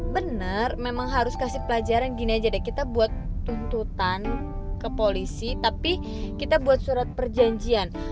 benar memang harus kasih pelajaran gini aja deh kita buat tuntutan ke polisi tapi kita buat surat perjanjian